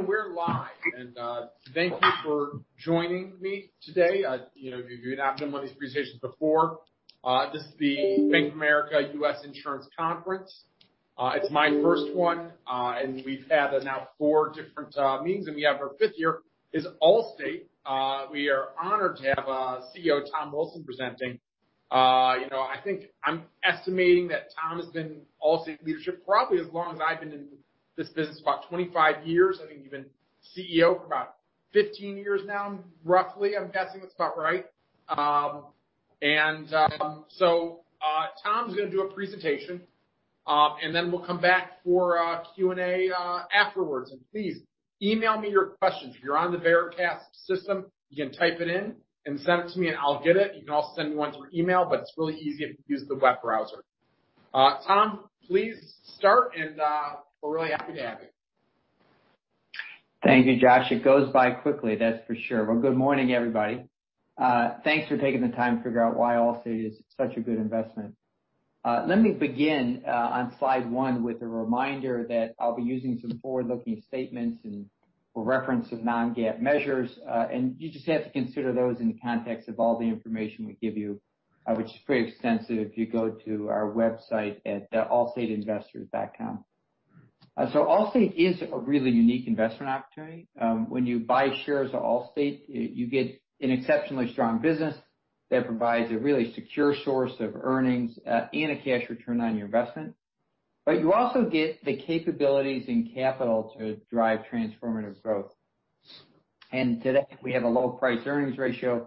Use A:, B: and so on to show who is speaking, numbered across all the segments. A: We're live. Thank you for joining me today. You have been on one of these presentations before. This is the Bank of America Securities 2021 Virtual Insurance Conference. It's my first one, and we've had now 4 different meetings, and we have our fifth here is Allstate. We are honored to have CEO Tom Wilson presenting. I think I'm estimating that Tom has been Allstate leadership probably as long as I've been in this business, about 25 years. I think even CEO for about 15 years now, roughly. I'm guessing that's about right. Tom's going to do a presentation, and then we'll come back for Q&A afterwards. Please email me your questions. If you're on the Veracast system, you can type it in and send it to me, and I'll get it. You can also send one through email, it's really easy if you use the web browser. Tom, please start, we're really happy to have you.
B: Thank you, Josh. It goes by quickly, that's for sure. Good morning, everybody. Thanks for taking the time to figure out why Allstate is such a good investment. Let me begin on slide one with a reminder that I'll be using some forward-looking statements and for reference of non-GAAP measures. You just have to consider those in the context of all the information we give you, which is pretty extensive if you go to our website at allstateinvestors.com. Allstate is a really unique investment opportunity. When you buy shares of Allstate, you get an exceptionally strong business that provides a really secure source of earnings and a cash return on your investment. You also get the capabilities and capital to drive transformative growth. Today, we have a low price-earnings ratio,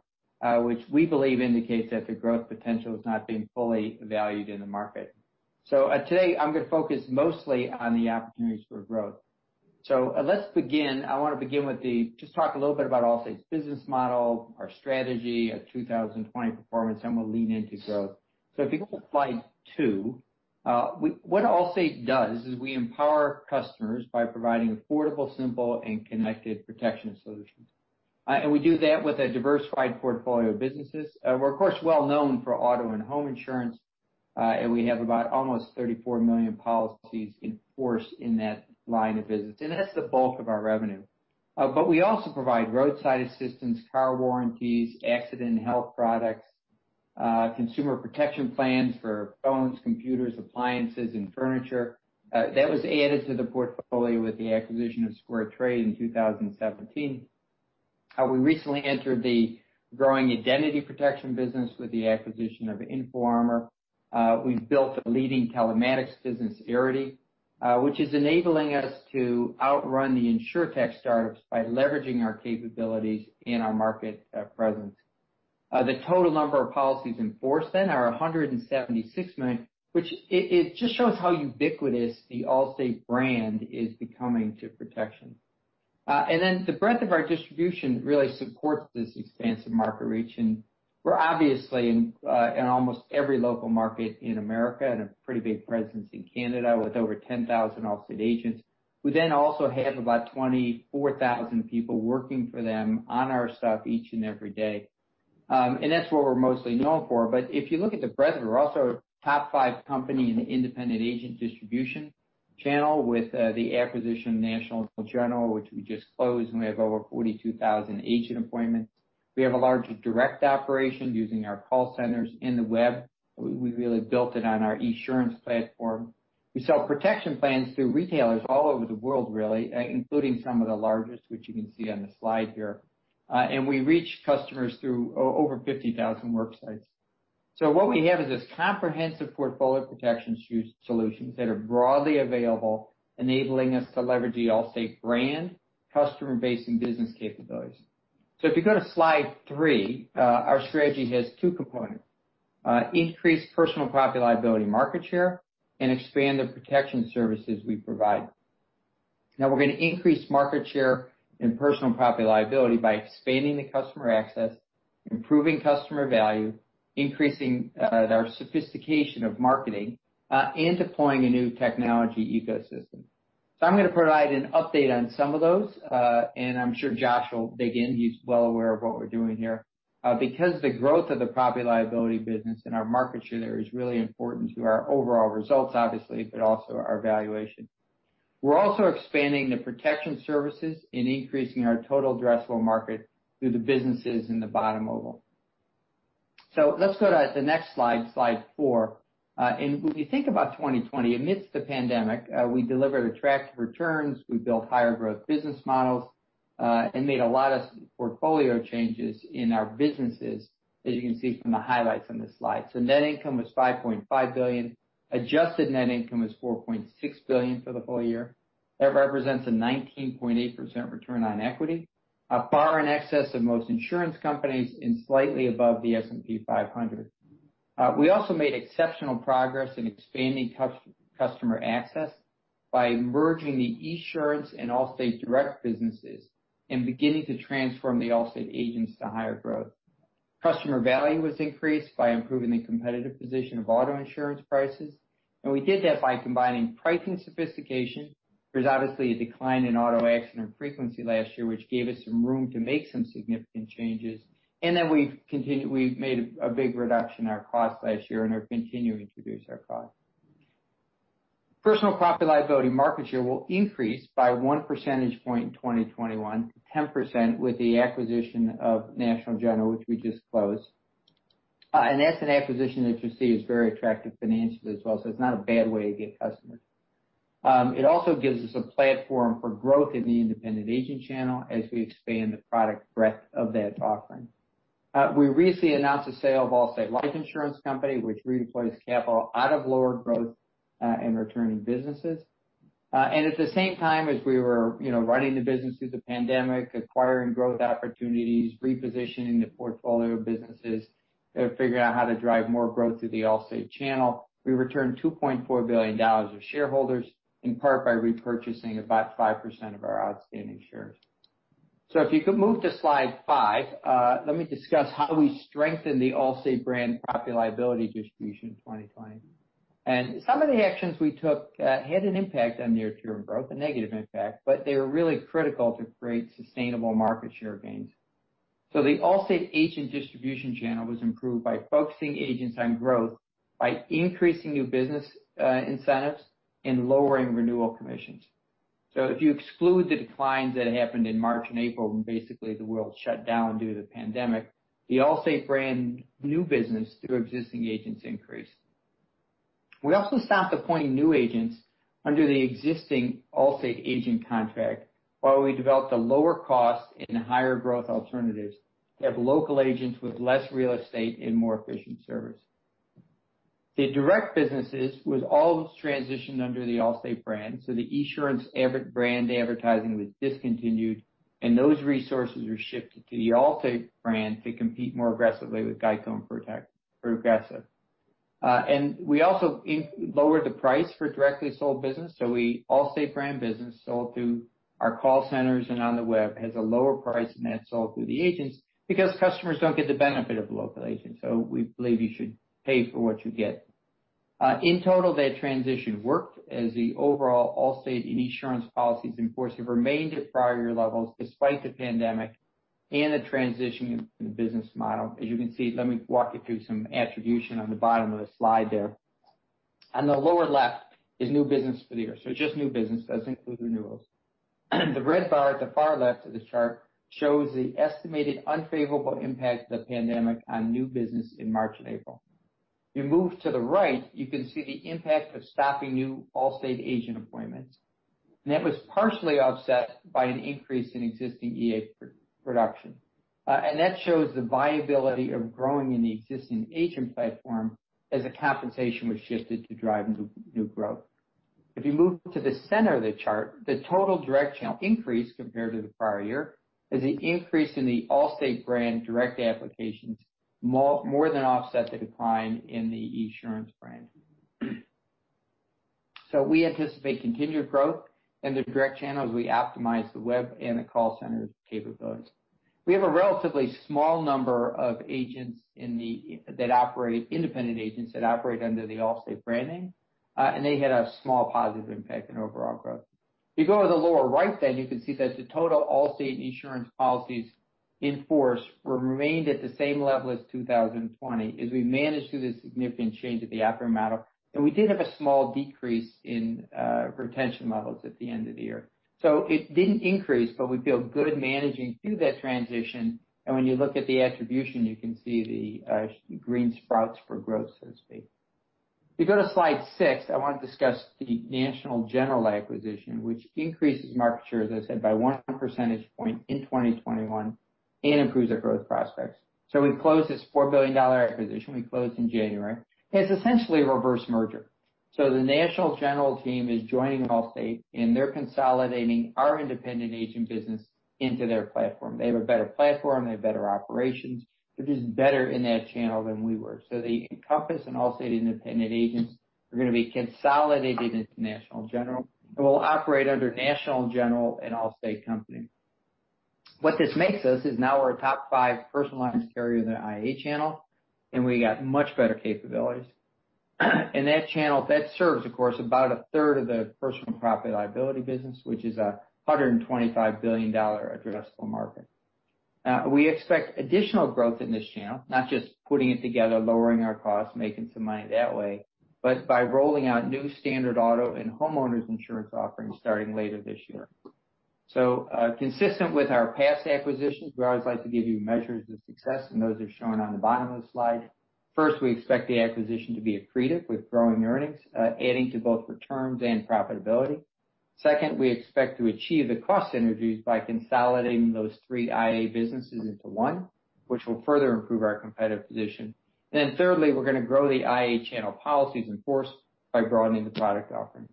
B: which we believe indicates that the growth potential is not being fully valued in the market. Today, I'm going to focus mostly on the opportunities for growth. Let's begin. I want to begin with the. Just talk a little bit about Allstate's business model, our strategy, our 2020 performance, we'll lean into growth. If you go to slide two, what Allstate does is we empower customers by providing affordable, simple, and connected protection solutions. We do that with a diversified portfolio of businesses. We're, of course, well known for auto and home insurance, and we have about almost 34 million policies in force in that line of business, that's the bulk of our revenue. We also provide roadside assistance, car warranties, accident and health products, consumer protection plans for phones, computers, appliances, and furniture. That was added to the portfolio with the acquisition of SquareTrade in 2017. We recently entered the growing identity protection business with the acquisition of InfoArmor. We've built a leading telematics business, Arity, which is enabling us to outrun the Insurtech startups by leveraging our capabilities and our market presence. The total number of policies in force then are 176 million, which it just shows how ubiquitous the Allstate brand is becoming to protection. The breadth of our distribution really supports this expansive market reach. We're obviously in almost every local market in America and a pretty big presence in Canada with over 10,000 Allstate agents, who then also have about 24,000 people working for them on our stuff each and every day. That's what we're mostly known for. If you look at the breadth, we're also a top five company in the independent agent distribution channel with the acquisition of National General, which we just closed, and we have over 42,000 agent appointments. We have a large direct operation using our call centers in the web. We really built it on our Esurance platform. We sell protection plans through retailers all over the world, really, including some of the largest, which you can see on the slide here. We reach customers through over 50,000 work sites. What we have is this comprehensive portfolio of protection solutions that are broadly available, enabling us to leverage the Allstate brand, customer base, and business capabilities. If you go to slide three, our strategy has two components, increase personal property liability market share and expand the protection services we provide. We're going to increase market share in personal property liability by expanding the customer access, improving customer value, increasing our sophistication of marketing, and deploying a new technology ecosystem. I'm going to provide an update on some of those, and I'm sure Josh will dig in. He's well aware of what we're doing here. The growth of the property liability business and our market share there is really important to our overall results, obviously, but also our valuation. We're also expanding the protection services and increasing our total addressable market through the businesses in the bottom oval. Let's go to the next slide four. When we think about 2020, amidst the pandemic, we delivered attractive returns, we built higher growth business models, and made a lot of portfolio changes in our businesses, as you can see from the highlights on this slide. Net income was $5.5 billion. Adjusted net income was $4.6 billion for the full year. That represents a 19.8% return on equity, far in excess of most insurance companies and slightly above the S&P 500. We also made exceptional progress in expanding customer access by merging the Esurance and Allstate direct businesses and beginning to transform the Allstate agents to higher growth. Customer value was increased by improving the competitive position of auto insurance prices, and we did that by combining pricing sophistication. There's obviously a decline in auto accident frequency last year, which gave us some room to make some significant changes. We've made a big reduction in our cost last year and are continuing to reduce our cost. Personal property liability market share will increase by one percentage point in 2021 to 10% with the acquisition of National General, which we just closed. That's an acquisition that you see is very attractive financially as well. It's not a bad way to get customers. It also gives us a platform for growth in the independent agent channel as we expand the product breadth of that offering. We recently announced the sale of Allstate Life Insurance Company, which redeploys capital out of lower growth and returning businesses. At the same time as we were running the business through the pandemic, acquiring growth opportunities, repositioning the portfolio of businesses, and figuring how to drive more growth through the Allstate channel, we returned $2.4 billion to shareholders, in part by repurchasing about 5% of our outstanding shares. If you could move to slide five, let me discuss how we strengthened the Allstate brand property liability distribution in 2020. Some of the actions we took had an impact on near-term growth, a negative impact. They were really critical to create sustainable market share gains. The Allstate agent distribution channel was improved by focusing agents on growth by increasing new business incentives and lowering renewal commissions. If you exclude the declines that happened in March and April when basically the world shut down due to the pandemic, the Allstate brand new business through existing agents increased. We also stopped appointing new agents under the existing Allstate agent contract while we developed a lower cost and higher growth alternatives to have local agents with less real estate and more efficient service. The direct businesses was all transitioned under the Allstate brand. The Esurance brand advertising was discontinued, and those resources were shifted to the Allstate brand to compete more aggressively with GEICO and Progressive. We also lowered the price for directly sold business. Allstate brand business sold through our call centers and on the web has a lower price than that sold through the agents because customers don't get the benefit of the local agent. We believe you should pay for what you get. In total, that transition worked as the overall Allstate and Esurance policies in force have remained at prior year levels despite the pandemic and the transition in business model. You can see, let me walk you through some attribution on the bottom of the slide there. On the lower left is new business for the year. Just new business, doesn't include renewals. The red bar at the far left of the chart shows the estimated unfavorable impact of the pandemic on new business in March and April. You move to the right, you can see the impact of stopping new Allstate agent appointments. That was partially offset by an increase in existing EA production. That shows the viability of growing in the existing agent platform as the compensation was shifted to drive new growth. If you move to the center of the chart, the total direct channel increase compared to the prior year as the increase in the Allstate brand direct applications more than offset the decline in the Esurance brand. We anticipate continued growth in the direct channel as we optimize the web and the call center's capabilities. We have a relatively small number of independent agents that operate under the Allstate brand name. They had a small positive impact on overall growth. If you go to the lower right then, you can see that the total Allstate insurance policies in force remained at the same level as 2020 as we managed through this significant change of the operating model, and we did have a small decrease in retention levels at the end of the year. It didn't increase, but we feel good managing through that transition, and when you look at the attribution, you can see the green sprouts for growth, so to speak. If you go to slide six, I want to discuss the National General acquisition, which increases market share, as I said, by one percentage point in 2021 and improves our growth prospects. We closed this $4 billion acquisition. We closed in January. It's essentially a reverse merger. The National General team is joining Allstate, and they're consolidating our independent agent business into their platform. They have a better platform, they have better operations. They're just better in that channel than we were. The Encompass and Allstate independent agents are going to be consolidated into National General, and we'll operate under National General, an Allstate company. What this makes us is now we're a top five personal lines carrier in the IA channel, and we got much better capabilities. That channel, that serves, of course, about a third of the personal property liability business, which is a $125 billion addressable market. We expect additional growth in this channel, not just putting it together, lowering our costs, making some money that way, but by rolling out new standard auto and home insurance offerings starting later this year. Consistent with our past acquisitions, we always like to give you measures of success, and those are shown on the bottom of the slide. First, we expect the acquisition to be accretive with growing earnings, adding to both returns and profitability. Second, we expect to achieve the cost synergies by consolidating those three IA businesses into one, which will further improve our competitive position. Then thirdly, we're going to grow the IA channel policies in force by broadening the product offering.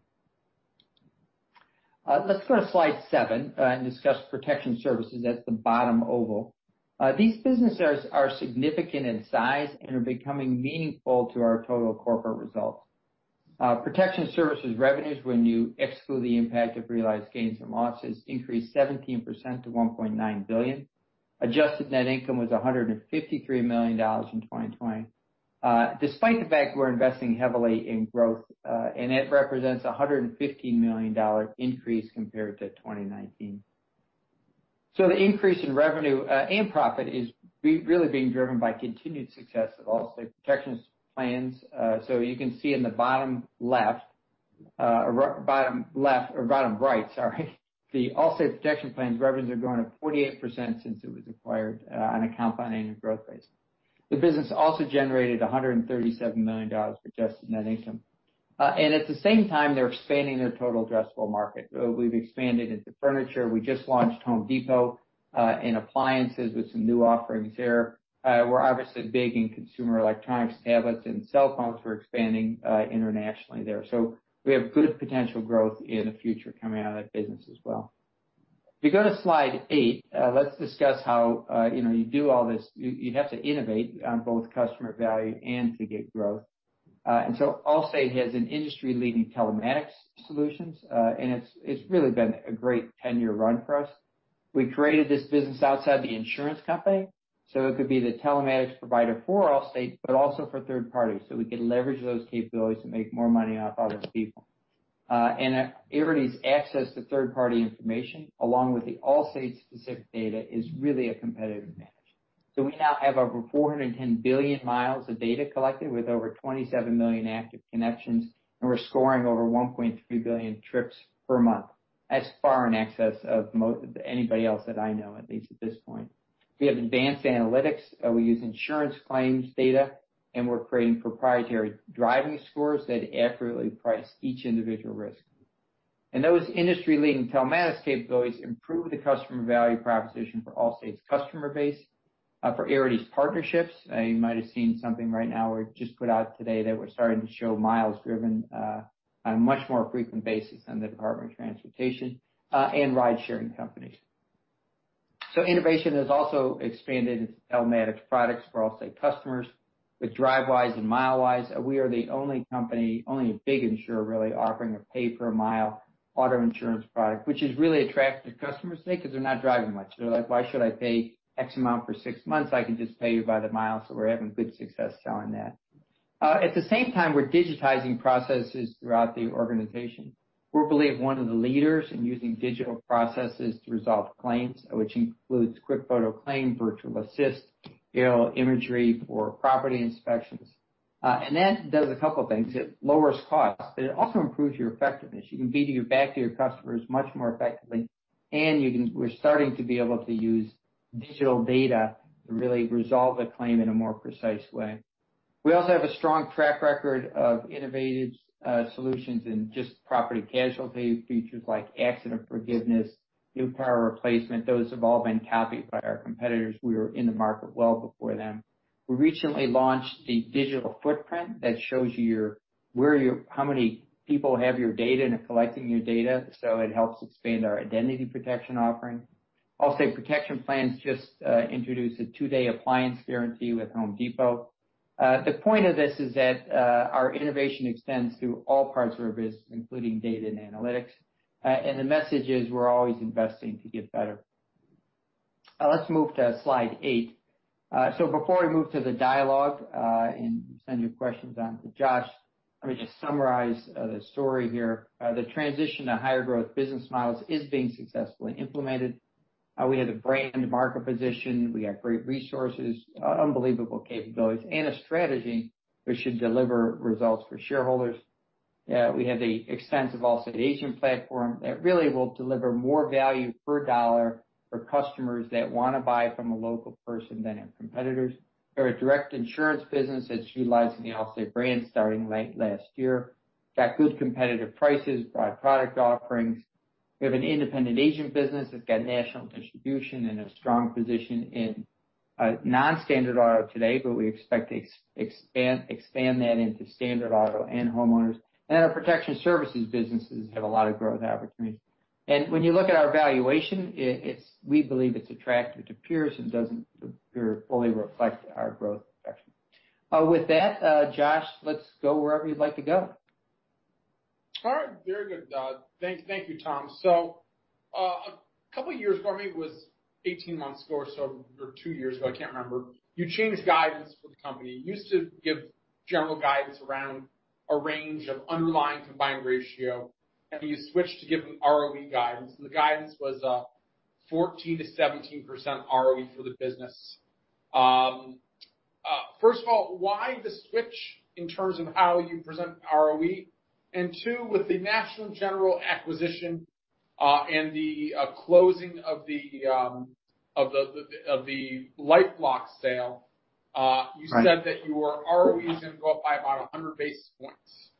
B: Let's go to slide seven and discuss protection services. That's the bottom oval. These businesses are significant in size and are becoming meaningful to our total corporate results. Protection services revenues, when you exclude the impact of realized gains and losses, increased 17% to $1.9 billion. Adjusted net income was $153 million in 2020, despite the fact we're investing heavily in growth, and it represents $150 million increase compared to 2019. The increase in revenue and profit is really being driven by continued success of Allstate Protection Plans. You can see in the bottom left or bottom right, sorry, the Allstate Protection Plans revenues are grown at 48% since it was acquired on a compounding growth rate. The business also generated $137 million for adjusted net income. At the same time, they're expanding their total addressable market. We've expanded into furniture. We just launched The Home Depot and appliances with some new offerings there. We're obviously big in consumer electronics, tablets, and cell phones. We're expanding internationally there. We have good potential growth in the future coming out of that business as well. If you go to slide eight, let's discuss how you do all this. You have to innovate on both customer value and to get growth. Allstate has an industry-leading telematics solutions, and it's really been a great 10-year run for us. We created this business outside the insurance company. It could be the telematics provider for Allstate, but also for third parties so we could leverage those capabilities to make more money off other people. Arity's access to third-party information, along with the Allstate specific data, is really a competitive advantage. We now have over 410 billion miles of data collected with over 27 million active connections, and we're scoring over 1.3 billion trips per month. As far in excess of anybody else that I know, at least at this point. We have advanced analytics, we use insurance claims data, and we're creating proprietary driving scores that accurately price each individual risk. Those industry-leading telematics capabilities improve the customer value proposition for Allstate's customer base for Arity's partnerships. You might have seen something right now we just put out today that we're starting to show miles driven on a much more frequent basis than the United States Department of Transportation, and ride-sharing companies. Innovation has also expanded its telematics products for Allstate customers with Drivewise and Milewise. We are the only company, only big insurer, really offering a pay per mile auto insurance product, which is really attractive to customers today because they're not driving much. They're like, "Why should I pay X amount for six months? I can just pay you by the mile." We're having good success selling that. At the same time, we're digitizing processes throughout the organization. We're believed one of the leaders in using digital processes to resolve claims, which includes QuickFoto Claim, Virtual Assist, aerial imagery for property inspections. That does a couple things. It lowers costs. It also improves your effectiveness. You can be back to your customers much more effectively, and we're starting to be able to use digital data to really resolve a claim in a more precise way. We also have a strong track record of innovative solutions in just property casualty features like Accident Forgiveness, New Car Replacement. Those have all been copied by our competitors, we were in the market well before them. We recently launched the Allstate Digital Footprint that shows you how many people have your data and are collecting your data, so it helps expand our identity protection offering. Allstate Protection Plans just introduced a two-day appliance guarantee with The Home Depot. The point of this is that our innovation extends through all parts of our business, including data and analytics. The message is, we're always investing to get better. Let's move to slide eight. Before we move to the dialogue, send your questions on to Josh, let me just summarize the story here. The transition to higher growth business models is being successfully implemented. We have the brand market position, we have great resources, unbelievable capabilities, a strategy which should deliver results for shareholders. We have the extensive Allstate agent platform that really will deliver more value per dollar for customers that want to buy from a local person than our competitors. We have a direct insurance business that's utilizing the Allstate brand starting late last year. Got good competitive prices, broad product offerings. We have an independent agent business that's got national distribution and a strong position in non-standard auto today, but we expect to expand that into standard auto and homeowners. Our protection services businesses have a lot of growth opportunities. When you look at our valuation, we believe it's attractive to peers and doesn't fully reflect our growth trajectory. With that, Josh, let's go wherever you'd like to go.
A: All right, very good. Thank you, Tom. A couple of years ago, maybe it was 18 months ago or so, or two years ago, I can't remember, you changed guidance for the company. You used to give general guidance around a range of underlying combined ratio, and then you switched to giving ROE guidance, and the guidance was, 14%-17% ROE for the business. First of all, why the switch in terms of how you present ROE? Two, with the National General acquisition, and the closing of the life block sale-
B: Right
A: You said that your ROE is going to go up by about 100 basis points.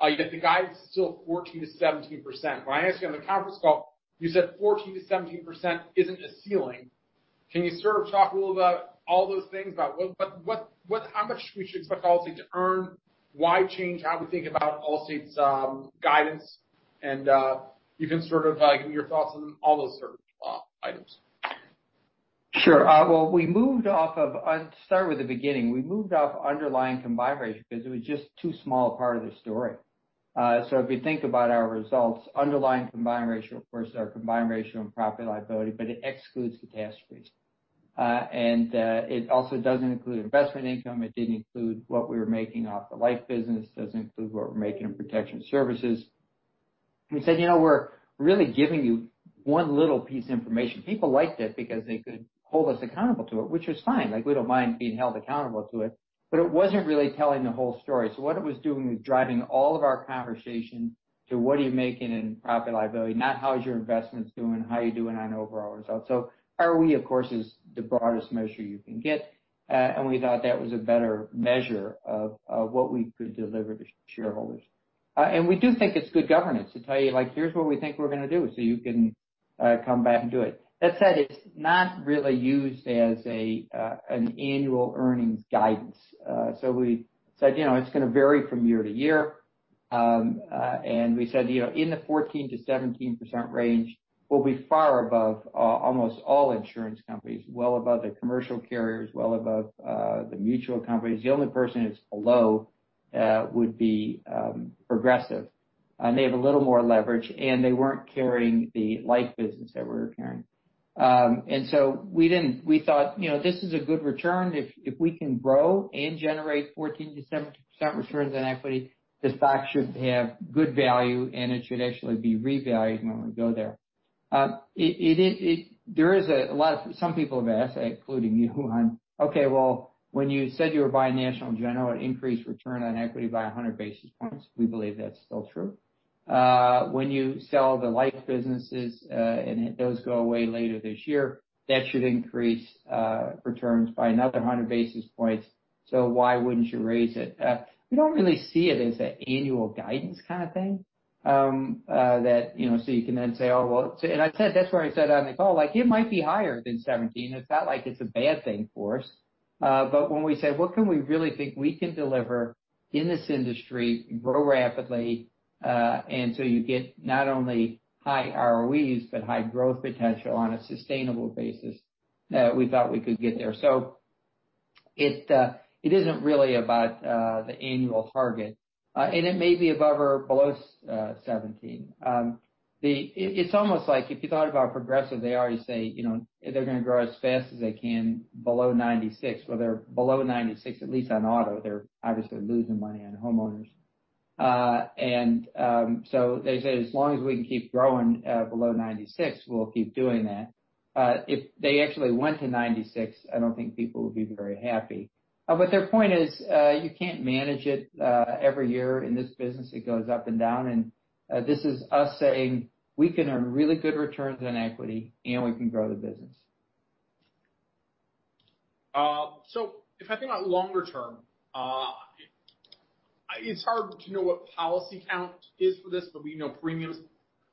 A: Yet the guide is still 14%-17%. When I asked you on the conference call, you said 14%-17% isn't a ceiling. Can you sort of talk a little about all those things? About how much we should expect Allstate to earn? Why change how we think about Allstate's guidance and you can sort of give me your thoughts on all those sort of items.
B: Sure. To start with the beginning. We moved off underlying combined ratio because it was just too small a part of the story. If we think about our results, underlying combined ratio, of course, our combined ratio and property-liability, but it excludes catastrophes. It also doesn't include investment income. It didn't include what we were making off the life business. It doesn't include what we're making in protection services. We said, we're really giving you one little piece of information. People liked it because they could hold us accountable to it, which was fine. We don't mind being held accountable to it, but it wasn't really telling the whole story. What it was doing was driving all of our conversation to what are you making in property-liability, not how is your investments doing, how are you doing on overall results. ROE, of course, is the broadest measure you can get, we thought that was a better measure of what we could deliver to shareholders. We do think it's good governance to tell you, "Here's what we think we're going to do, so you can come back to it." That said, it's not really used as an annual earnings guidance. We said, it's going to vary from year to year. We said, in the 14%-17% range, we'll be far above almost all insurance companies, well above the commercial carriers, well above the mutual companies. The only person that's below would be Progressive. They have a little more leverage, they weren't carrying the life business that we're carrying. We thought, this is a good return. If we can grow and generate 14%-17% returns on equity, the stock should have good value, it should actually be revalued when we go there. Some people have asked, including you, Josh: "Okay, well, when you said you were buying National General, it increased return on equity by 100 basis points." We believe that's still true. When you sell the life businesses, those go away later this year, that should increase returns by another 100 basis points, why wouldn't you raise it? We don't really see it as an annual guidance kind of thing, you can then say, oh, well. That's why I said on the call, it might be higher than 17. It's not like it's a bad thing for us. When we say, what can we really think we can deliver in this industry, grow rapidly, you get not only high ROEs, but high growth potential on a sustainable basis, we thought we could get there. It isn't really about the annual target. It may be above or below 17. It's almost like if you thought about Progressive, they already say, they're going to grow as fast as they can below 96. Well, they're below 96, at least on auto. They're obviously losing money on homeowners. They say, as long as we can keep growing below 96, we'll keep doing that. If they actually went to 96, I don't think people would be very happy. Their point is, you can't manage it every year in this business. It goes up and down, this is us saying we can earn really good returns on equity, we can grow the business.
A: If I think about longer term, it's hard to know what policy count is for this, but we know premiums.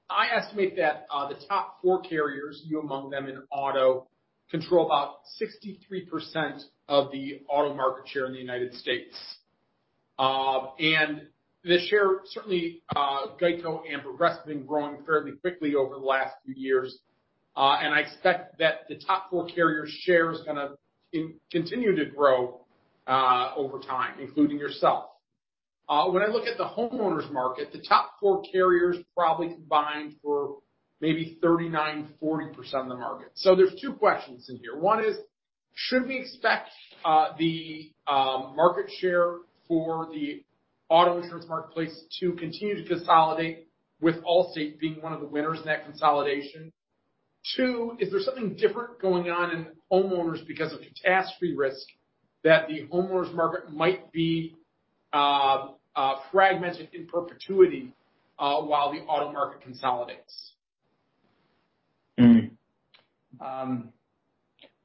A: I estimate that the top four carriers, you among them in auto, control about 63% of the auto market share in the U.S. This year, certainly GEICO and Progressive have been growing fairly quickly over the last few years. I expect that the top four carriers' share is going to continue to grow over time, including yourself. When I look at the homeowners market, the top four carriers probably combined for maybe 39%, 40% of the market. There's two questions in here. One is, should we expect the market share for the auto insurance marketplace to continue to consolidate with Allstate being one of the winners in that consolidation? Two, is there something different going on in homeowners because of catastrophe risk that the homeowners market might be fragmented in perpetuity while the auto market consolidates?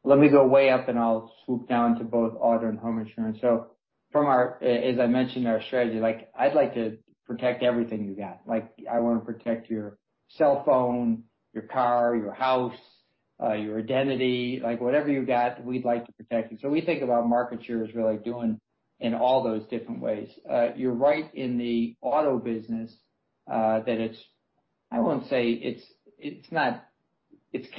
B: Let me go way up, and I'll swoop down to both auto and home insurance. As I mentioned, our strategy, I'd like to protect everything you got. I want to protect your cell phone, your car, your house, your identity. Whatever you got, we'd like to protect you. We think about market share as really doing in all those different ways. You're right in the auto business, I won't say it's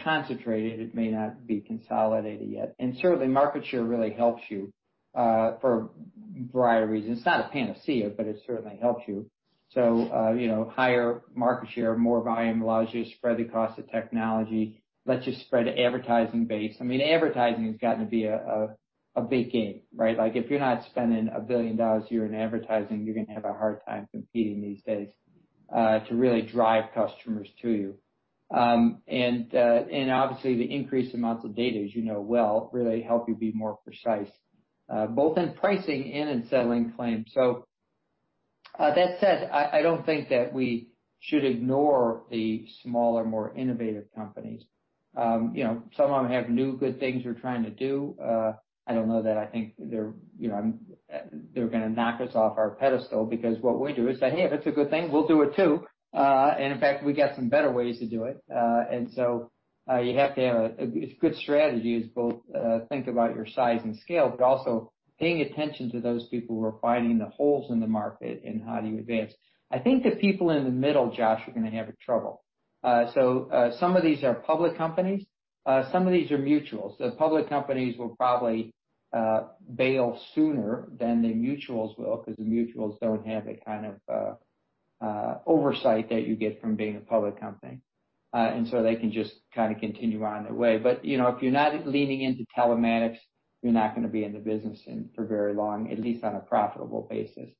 B: concentrated. It may not be consolidated yet. Certainly, market share really helps you, for a variety of reasons. It's not a panacea, but it certainly helps you. Higher market share, more volume allows you to spread the cost of technology, lets you spread advertising base. Advertising has gotten to be a big game, right? If you're not spending $1 billion a year in advertising, you're going to have a hard time competing these days, to really drive customers to you. Obviously, the increased amounts of data, as you know well, really help you be more precise, both in pricing and in settling claims. That said, I don't think that we should ignore the smaller, more innovative companies. Some of them have new good things they're trying to do. I don't know that I think they're going to knock us off our pedestal because what we do is say, "Hey, if it's a good thing, we'll do it, too. In fact, we got some better ways to do it." A good strategy is both think about your size and scale, but also paying attention to those people who are finding the holes in the market and how do you advance. I think the people in the middle, Josh, are going to have trouble. Some of these are public companies. Some of these are mutuals. The public companies will probably bail sooner than the mutuals will because the mutuals don't have a kind of oversight that you get from being a public company. They can just continue on their way. If you're not leaning into telematics, you're not going to be in the business for very long, at least on a profitable basis.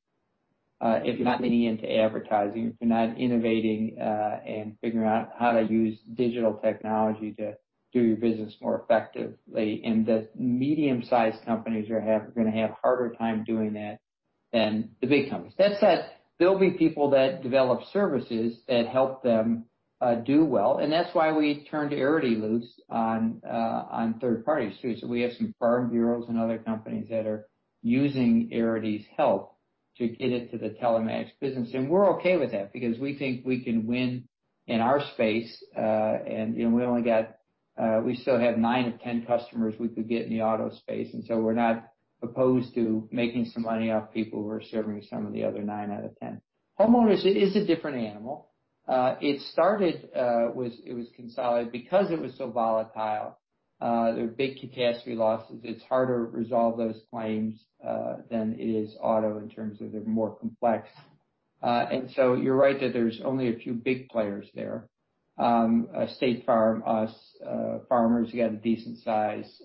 B: If you're not leaning into advertising, if you're not innovating and figuring out how to use digital technology to do your business more effectively, the medium-sized companies are going to have a harder time doing that than the big companies. That said, there'll be people that develop services that help them do well, and that's why we turned to Arity, Luce, on third-party suites. We have some farm bureaus and other companies that are using Arity's help to get into the telematics business. We're okay with that, because we think we can win in our space, and we still have nine of 10 customers we could get in the auto space. We're not opposed to making some money off people who are serving some of the other nine out of 10. Homeowners is a different animal. It was consolidated because it was so volatile. They're big catastrophe losses. It's harder to resolve those claims than it is auto in terms of they're more complex. You're right that there's only a few big players there. State Farm, us. Farmers, again, a decent size.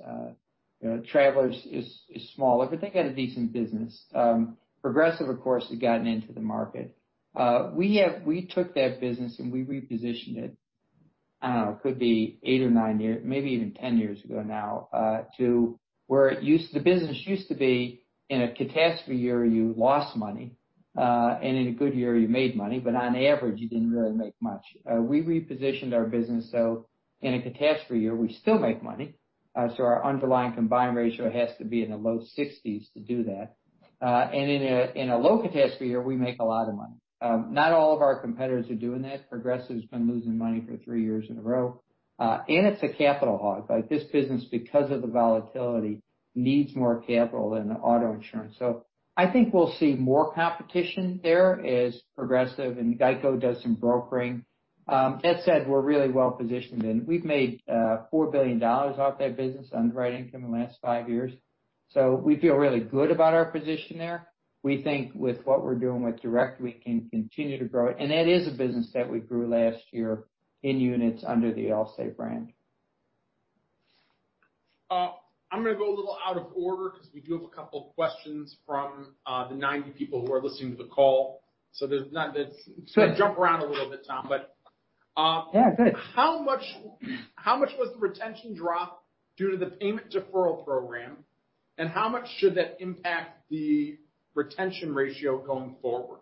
B: Travelers is smaller, but they got a decent business. Progressive, of course, has gotten into the market. We took that business, we repositioned it, could be eight or nine years, maybe even 10 years ago now, to where the business used to be in a catastrophe year, you lost money, in a good year, you made money, but on average, you didn't really make much. We repositioned our business, so in a catastrophe year, we still make money. Our underlying combined ratio has to be in the low 60s to do that. In a low catastrophe year, we make a lot of money. Not all of our competitors are doing that. Progressive's been losing money for three years in a row. It's a capital hog. This business, because of the volatility, needs more capital than the auto insurance. I think we'll see more competition there as Progressive and GEICO does some brokering. That said, we're really well-positioned, we've made $4 billion off that business underwriting from the last five years. We feel really good about our position there. We think with what we're doing with direct, we can continue to grow it. That is a business that we grew last year in units under the Allstate brand.
A: I'm going to go a little out of order because we do have a couple questions from the 90 people who are listening to the call. There's.
B: Sure.
A: Jump around a little bit, Tom.
B: Yeah, go ahead.
A: How much was the retention drop due to the payment deferral program, and how much should that impact the retention ratio going forward?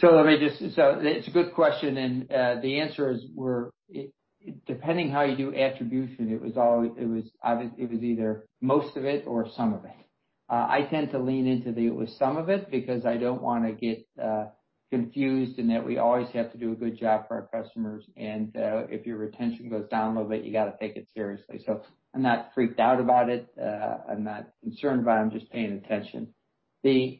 B: It's a good question, and the answer is, depending how you do attribution, it was either most of it or some of it. I tend to lean into the it was some of it, because I don't want to get confused in that we always have to do a good job for our customers. If your retention goes down a little bit, you got to take it seriously. I'm not freaked out about it. I'm not concerned about it. I'm just paying attention. The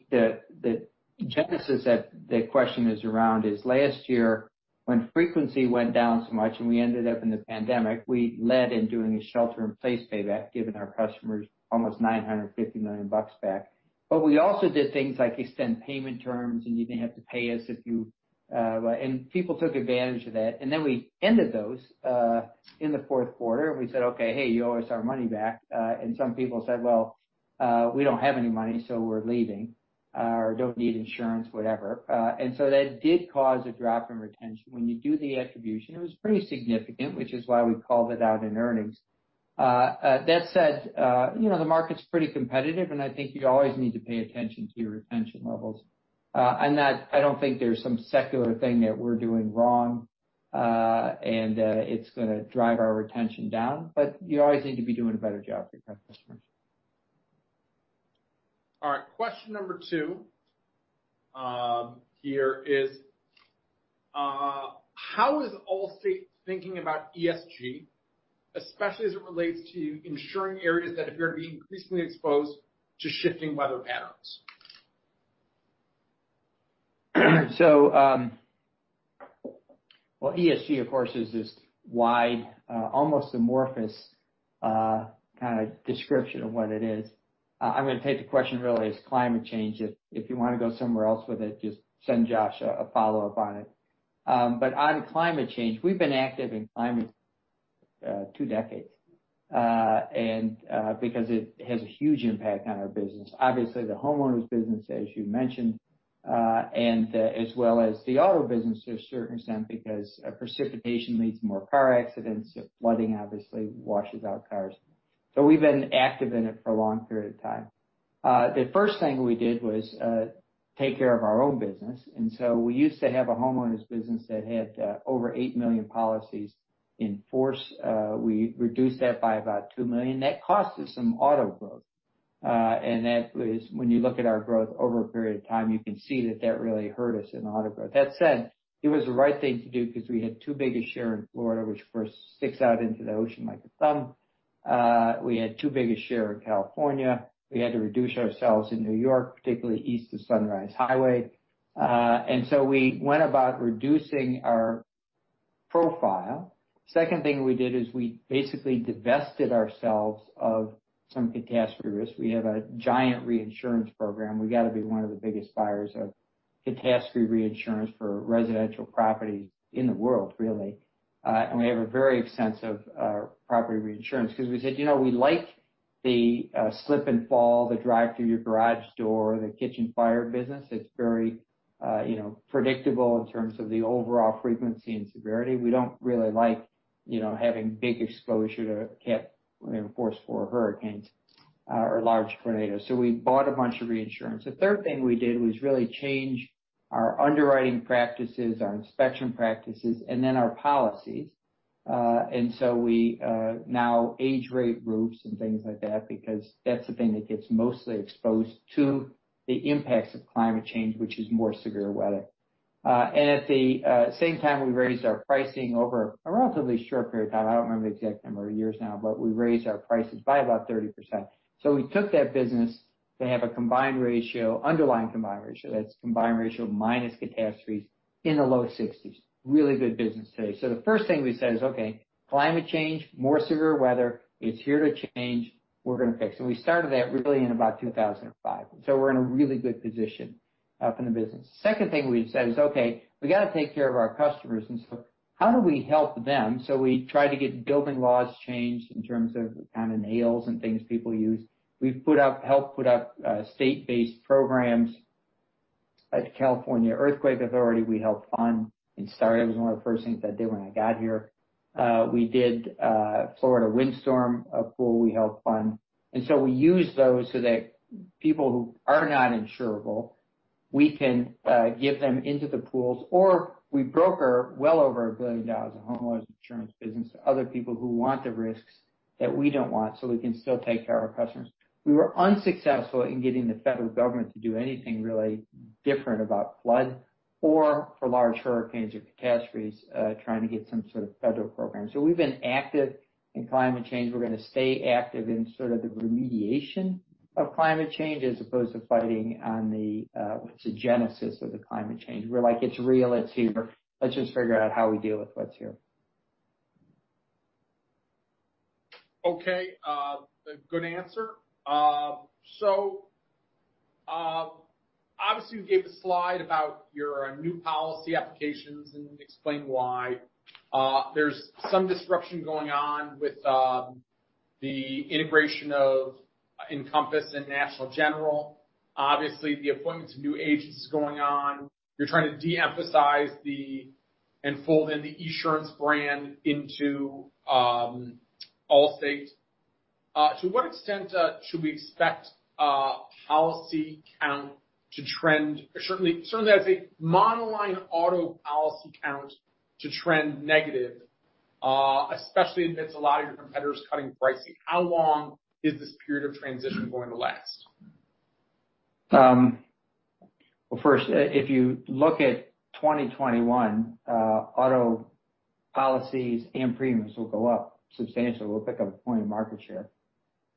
B: genesis that the question is around is last year when frequency went down so much and we ended up in the pandemic, we led in doing a shelter in place payback, giving our customers almost $950 million back. We also did things like extend payment terms, and you didn't have to pay us, and people took advantage of that. We ended those in the fourth quarter, and we said, "Okay. Hey, you owe us our money back." Some people said, "Well, we don't have any money, so we're leaving or don't need insurance," whatever. That did cause a drop in retention. When you do the attribution, it was pretty significant, which is why we called it out in earnings. That said, the market's pretty competitive, and I think you always need to pay attention to your retention levels. I don't think there's some secular thing that we're doing wrong, and it's going to drive our retention down. You always need to be doing a better job for your customers.
A: All right. Question number 2 here is how is Allstate thinking about ESG, especially as it relates to insuring areas that appear to be increasingly exposed to shifting weather patterns?
B: Well, ESG, of course, is this wide, almost amorphous kind of description of what it is. I'm going to take the question really as climate change. If you want to go somewhere else with it, just send Josh a follow-up on it. On climate change, we've been active in climate two decades, because it has a huge impact on our business. Obviously, the homeowners business, as you mentioned, and as well as the auto business to a certain extent, because precipitation leads to more car accidents. Flooding obviously washes out cars. We've been active in it for a long period of time. The first thing we did was take care of our own business, we used to have a homeowners business that had over 8 million policies in force. We reduced that by about 2 million. That cost us some auto growth, that is when you look at our growth over a period of time, you can see that that really hurt us in auto growth. That said, it was the right thing to do because we had too big a share in Florida, which of course sticks out into the ocean like a thumb. We had too big a share in California. We had to reduce ourselves in New York, particularly east of Sunrise Highway. So we went about reducing our Profile. Second thing we did is we basically divested ourselves of some catastrophe risk. We have a giant reinsurance program. We got to be one of the biggest buyers of catastrophe reinsurance for residential property in the world, really. We have a very extensive property reinsurance because we said, we like the slip and fall, the drive through your garage door, the kitchen fire business. It's very predictable in terms of the overall frequency and severity. We don't really like having big exposure to force for hurricanes or large tornadoes. We bought a bunch of reinsurance. The third thing we did was really change our underwriting practices, our inspection practices, then our policies. We now age rate roofs and things like that because that's the thing that gets mostly exposed to the impacts of climate change, which is more severe weather. At the same time, we raised our pricing over a relatively short period of time. I don't remember the exact number of years now, but we raised our prices by about 30%. We took that business. They have a combined ratio, underlying combined ratio, that's combined ratio minus catastrophes, in the low 60s. Really good business today. The first thing we said is, "Okay, climate change, more severe weather. It's here to change. We're going to fix it." We started that really in about 2005. We're in a really good position up in the business. Second thing we said is, "Okay, we got to take care of our customers, how do we help them?" We try to get building laws changed in terms of the kind of nails and things people use. We've helped put up state-based programs like California Earthquake Authority, we helped fund and start. It was one of the first things I did when I got here. We did Florida Windstorm, a pool we helped fund. We use those so that people who are not insurable, we can get them into the pools, or we broker well over $1 billion of homeowners insurance business to other people who want the risks that we don't want, so we can still take care of our customers. We were unsuccessful in getting the federal government to do anything really different about flood or for large hurricanes or catastrophes, trying to get some sort of federal program. We've been active in climate change. We're going to stay active in sort of the remediation of climate change as opposed to fighting on the genesis of the climate change. We're like, "It's real. It's here. Let's just figure out how we deal with what's here.
A: Okay. Good answer. Obviously, you gave a slide about your new policy applications and explained why. There is some disruption going on with the integration of Encompass and National General. Obviously, the appointments of new agents is going on. You are trying to de-emphasize the, and fold in the Esurance brand into Allstate. To what extent should we expect policy count to trend, certainly, as a monoline auto policy count to trend negative, especially amidst a lot of your competitors cutting pricing? How long is this period of transition going to last?
B: First, if you look at 2021, auto policies and premiums will go up substantially. We will pick up a point of market share.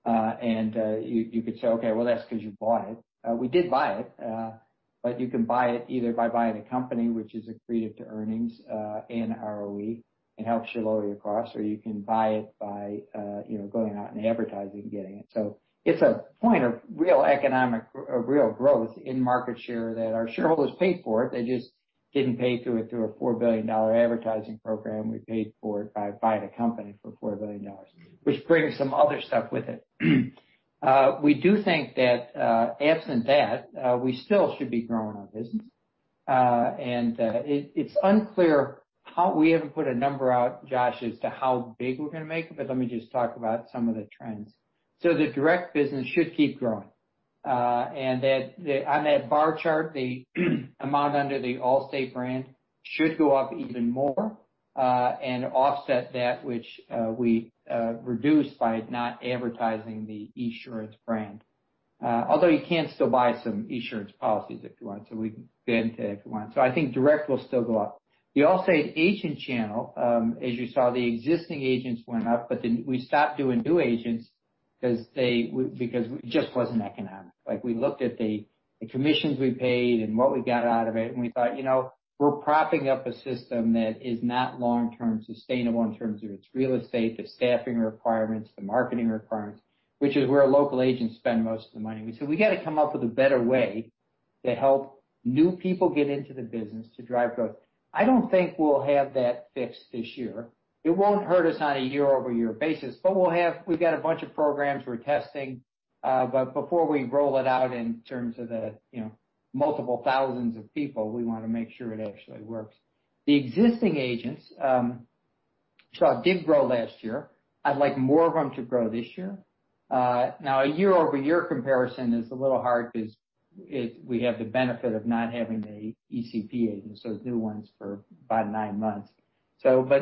B: You could say, "Okay, that is because you bought it." We did buy it, but you can buy it either by buying a company which is accretive to earnings and ROE and helps you lower your cost, or you can buy it by going out and advertising and getting it. It is a point of real economic or real growth in market share that our shareholders paid for it. They just did not pay through it through a $4 billion advertising program. We paid for it by buying a company for $4 billion, which brings some other stuff with it. We do think that absent that, we still should be growing our business. It is unclear how we ever put a number out, Josh, as to how big we are going to make it. Let me just talk about some of the trends. The direct business should keep growing. On that bar chart, the amount under the Allstate brand should go up even more, and offset that which we reduced by not advertising the Esurance brand. Although you can still buy some Esurance policies if you want. I think direct will still go up. The Allstate agent channel, as you saw, the existing agents went up, but we stopped doing new agents because it just was not economic. We looked at the commissions we paid and what we got out of it. We thought, we are propping up a system that is not long-term sustainable in terms of its real estate, the staffing requirements, the marketing requirements, which is where local agents spend most of the money. We said, "We have got to come up with a better way to help new people get into the business to drive growth." I do not think we will have that fixed this year. It will not hurt us on a year-over-year basis, but we have got a bunch of programs we are testing. Before we roll it out in terms of the multiple thousands of people, we want to make sure it actually works. The existing agents, it did grow last year. I would like more of them to grow this year. A year-over-year comparison is a little hard because we have the benefit of not having the ECP agents, those new ones, for about nine months.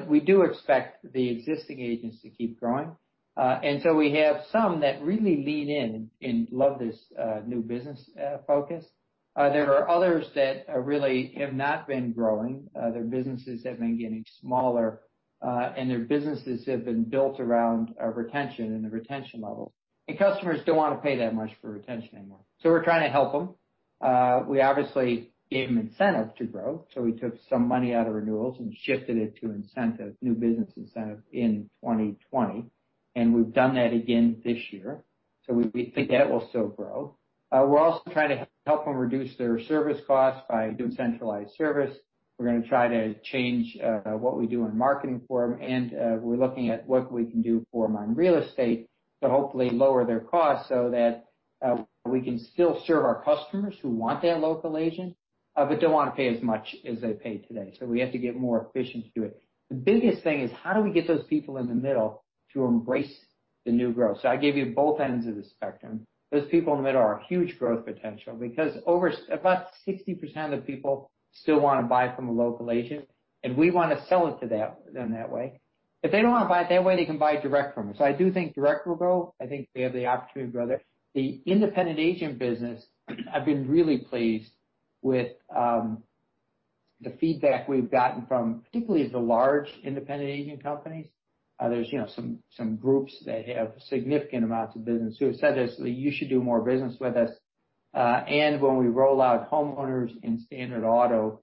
B: We do expect the existing agents to keep growing. We have some that really lean in and love this new business focus. There are others that really have not been growing. Their businesses have been getting smaller. Their businesses have been built around retention and the retention level. Customers don't want to pay that much for retention anymore. We're trying to help them. We obviously gave them incentive to grow, we took some money out of renewals and shifted it to incentive, new business incentive in 2020, and we've done that again this year. We think that will still grow. We're also trying to help them reduce their service costs by doing centralized service. We're going to try to change what we do in marketing for them, and we're looking at what we can do for them on real estate to hopefully lower their costs so that we can still serve our customers who want that local agent but don't want to pay as much as they pay today. We have to get more efficient to do it. The biggest thing is how do we get those people in the middle to embrace the new growth? I gave you both ends of the spectrum. Those people in the middle are a huge growth potential because over about 60% of people still want to buy from a local agent, and we want to sell it to them that way. If they don't want to buy it that way, they can buy direct from us. I do think direct will grow. I think they have the opportunity to grow there. The independent agent business, I've been really pleased with the feedback we've gotten from particularly the large independent agent companies. There's some groups that have significant amounts of business who have said to us that, "You should do more business with us." When we roll out homeowners and standard auto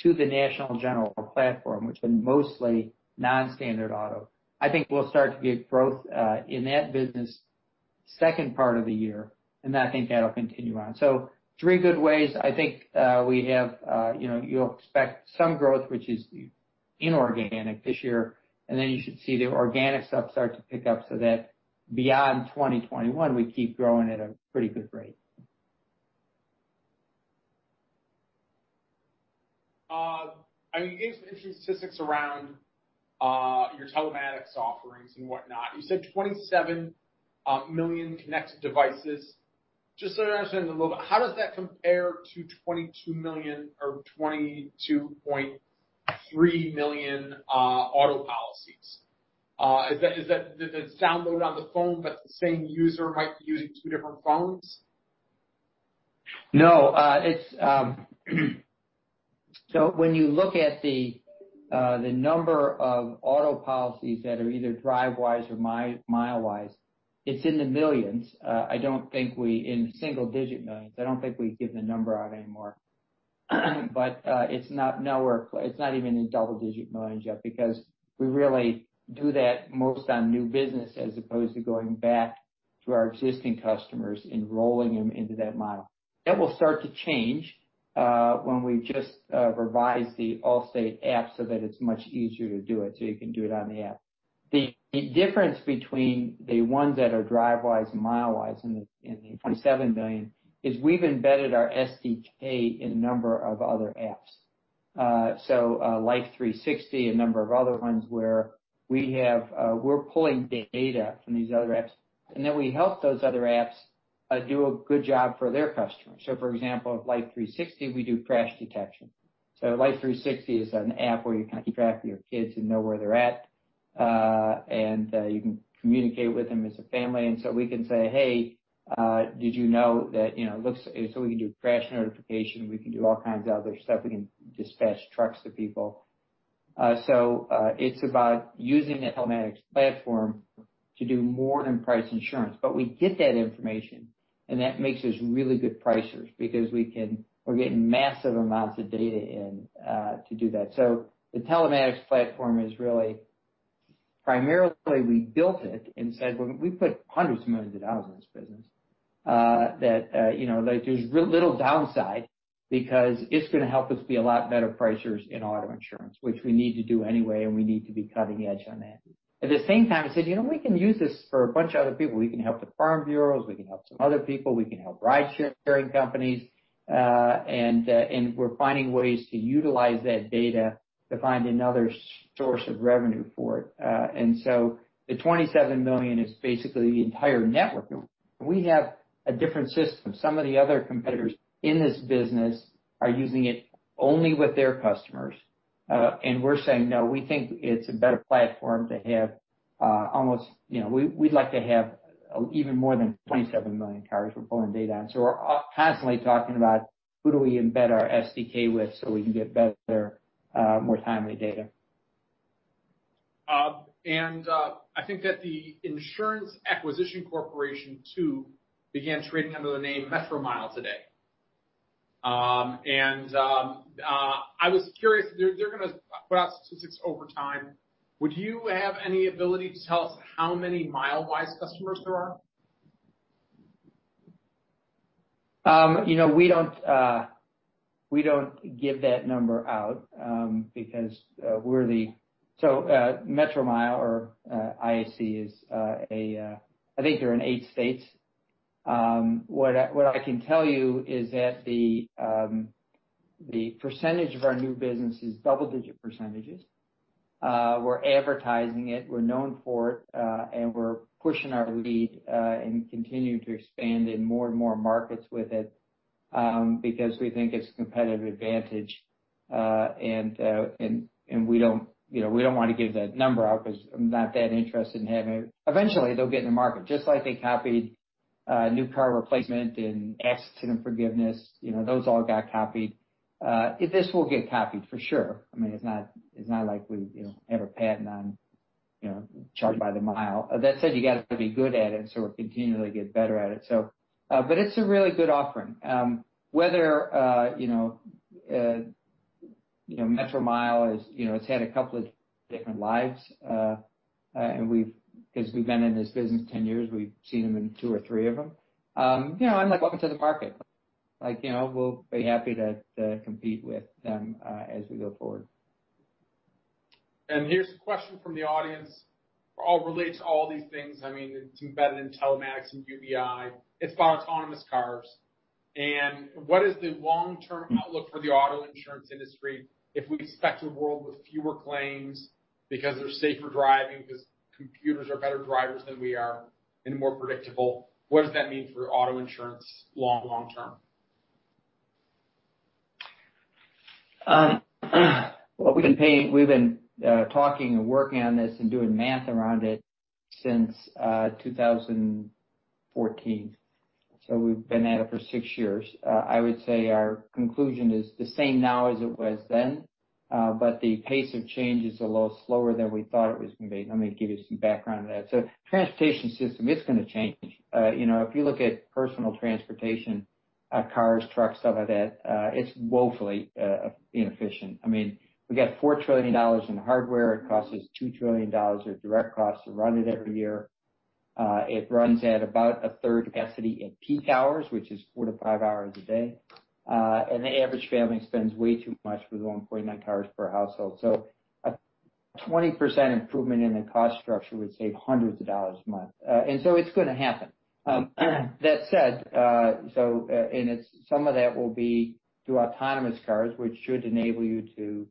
B: to the National General platform, which has been mostly non-standard auto, I think we'll start to get growth in that business second part of the year, and then I think that'll continue on. Three good ways. I think you'll expect some growth, which is inorganic this year, and then you should see the organic stuff start to pick up so that beyond 2021, we keep growing at a pretty good rate.
A: You gave some interesting statistics around your telematics offerings and whatnot. You said 27 million connected devices. Just so I understand it a little bit, how does that compare to 22 million or 22.3 million auto policies? Is that downloaded on the phone, but the same user might be using two different phones?
B: No. When you look at the number of auto policies that are either Drivewise or Milewise, it's in the millions. In single-digit millions. I don't think we give the number out anymore, but it's not even in double-digit millions yet because we really do that most on new business as opposed to going back to our existing customers, enrolling them into that model. That will start to change when we've just revised the Allstate app so that it's much easier to do it, you can do it on the app. The difference between the ones that are Drivewise and Milewise in the 27 million is we've embedded our SDK in a number of other apps. Life360, a number of other ones where we're pulling data from these other apps, and then we help those other apps do a good job for their customers. For example, Life360, we do crash detection. Life360 is an app where you can keep track of your kids and know where they're at. You can communicate with them as a family. We can say, "Hey, did you know that" We can do crash notification, we can do all kinds of other stuff. We can dispatch trucks to people. It's about using the telematics platform to do more than price insurance. We get that information, and that makes us really good pricer because we're getting massive amounts of data in to do that. The telematics platform is really, primarily, we built it and said, we put $hundreds of millions in this business, that there's little downside because it's going to help us be a lot better pricers in auto insurance, which we need to do anyway, and we need to be cutting edge on that. At the same time, we said, we can use this for a bunch of other people. We can help the farm bureaus, we can help some other people, we can help ridesharing companies. We're finding ways to utilize that data to find another source of revenue for it. The 27 million is basically the entire network. We have a different system. Some of the other competitors in this business are using it only with their customers. We're saying, no, we think it's a better platform to have We'd like to have even more than 27 million cars we're pulling data on. We're constantly talking about who do we embed our SDK with so we can get better, more timely data.
A: I think that the INSU Acquisition Corp. II began trading under the name Metromile today. I was curious, they're going to put out statistics over time. Would you have any ability to tell us how many Milewise customers there are?
B: We don't give that number out because Metromile or IAC is, I think they're in eight states. What I can tell you is that the percentage of our new business is double-digit percentages. We're advertising it, we're known for it, and we're pushing our lead, and continuing to expand in more and more markets with it, because we think it's a competitive advantage. We don't want to give that number out because I'm not that interested in having. Eventually, they'll get in the market, just like they copied New Car Replacement and Accident Forgiveness, those all got copied. This will get copied for sure. It's not like we ever patent on charge by the mile. That said, you got to be good at it, so we're continually get better at it. It's a really good offering. Metromile, it's had a couple of different lives. We've been in this business 10 years, we've seen them in two or three of them. I'm like, welcome to the market. We'll be happy to compete with them as we go forward.
A: Here's a question from the audience, relates to all these things, it's embedded in telematics and UBI. It's about autonomous cars. What is the long-term outlook for the auto insurance industry if we expect a world with fewer claims because they're safer driving, because computers are better drivers than we are and more predictable, what does that mean for auto insurance long-term?
B: We've been talking and working on this and doing math around it since 2014. We've been at it for six years. I would say our conclusion is the same now as it was then, the pace of change is a little slower than we thought it was going to be. Let me give you some background on that. Transportation system, it's going to change. If you look at personal transportation, cars, trucks, stuff like that, it's woefully inefficient. We've got $4 trillion in hardware. It costs us $2 trillion of direct costs to run it every year. It runs at about a third capacity at peak hours, which is 4 to 5 hours a day. The average family spends way too much with 1.9 cars per household. A 20% improvement in the cost structure would save hundreds of dollars a month. It's going to happen. That said, some of that will be through autonomous cars, which should enable you to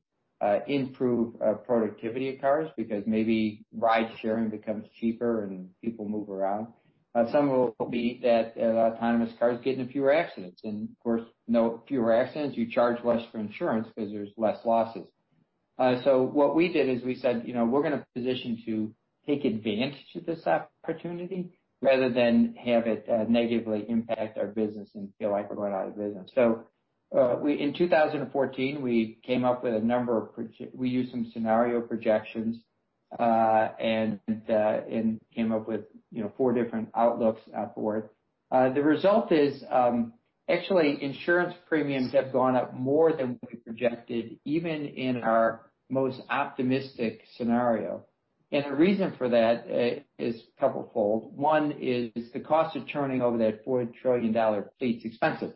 B: improve productivity of cars because maybe ride-sharing becomes cheaper and people move around. Some will be that autonomous cars get in fewer accidents. Of course, fewer accidents, you charge less for insurance because there's less losses. What we did is we said, we're going to position to take advantage of this opportunity rather than have it negatively impact our business and feel like we're going out of business. In 2014, we used some scenario projections, came up with four different outlooks forward. The result is, actually, insurance premiums have gone up more than we projected, even in our most optimistic scenario. The reason for that is couple-fold. One is the cost of turning over that $4 trillion fleet is expensive.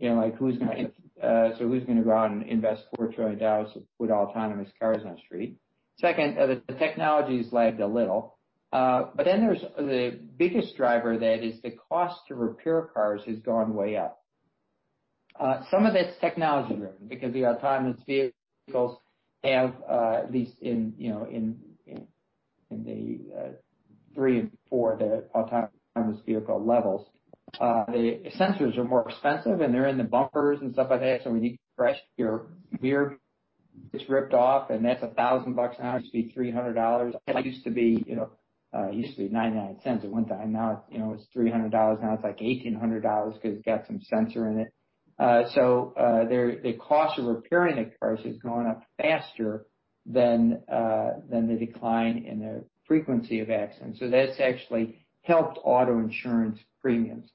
B: Who's going to go out and invest $4 trillion worth of autonomous cars on the street? Second, the technology's lagged a little. The biggest driver of that is the cost to repair cars has gone way up. Some of it's technology-driven because the autonomous vehicles have, at least in the 3 and 4, the autonomous vehicle levels, the sensors are more expensive, and they're in the bumpers and stuff like that. When you crash, your mirror gets ripped off, and that's $1,000 now. It used to be $300. It used to be $0.99 at one time. Now it's $300. Now it's like $1,800 because it's got some sensor in it. The cost of repairing the cars has gone up faster than the decline in the frequency of accidents. That's actually helped auto insurance premiums.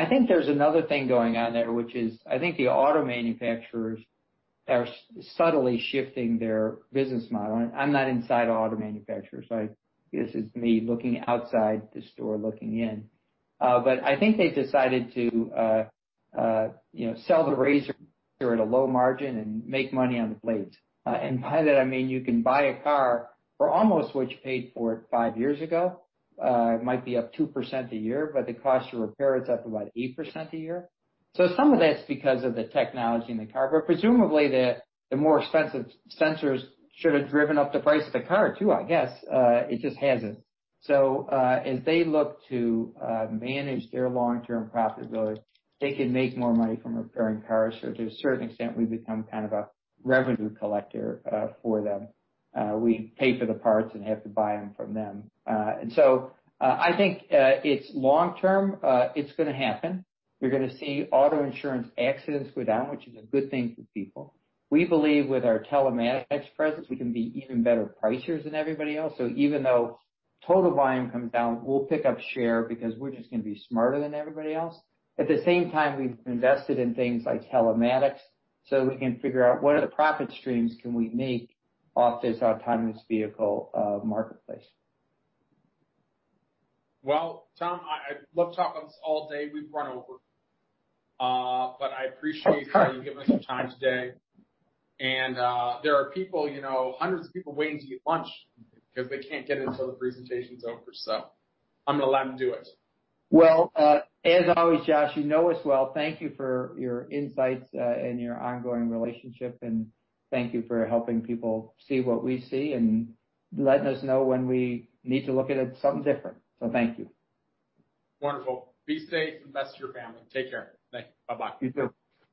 B: I think there's another thing going on there, which is, I think the auto manufacturers are subtly shifting their business model, I'm not inside an auto manufacturer, this is me looking outside the store looking in. I think they decided to sell the razor at a low margin and make money on the blades. By that, I mean you can buy a car for almost what you paid for it five years ago. It might be up 2% a year, the cost to repair it is up about 8% a year. Some of that's because of the technology in the car, but presumably, the more expensive sensors should have driven up the price of the car, too, I guess. It just hasn't. As they look to manage their long-term profitability, they can make more money from repairing cars. To a certain extent, we've become kind of a revenue collector for them. We pay for the parts and have to buy them from them. I think, it's long-term. It's going to happen. You're going to see auto insurance accidents go down, which is a good thing for people. We believe with our telematics presence, we can be even better pricers than everybody else. Even though total volume comes down, we'll pick up share because we're just going to be smarter than everybody else. At the same time, we've invested in things like telematics so we can figure out what other profit streams can we make off this autonomous vehicle marketplace.
A: Well, Tom, I'd love to talk on this all day. We've run over. I appreciate you giving us some time today. There are hundreds of people waiting to get lunch because they can't get in till the presentation's over. I'm going to let them do it.
B: Well, as always, Josh, you know us well. Thank you for your insights, and your ongoing relationship, and thank you for helping people see what we see and letting us know when we need to look at it something different. Thank you.
A: Wonderful. Be safe and bless your family. Take care. Thank you. Bye bye.
B: You too.